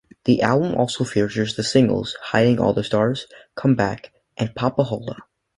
The album also features the singles "Hiding All the Stars", "Come Back" and "Poppiholla".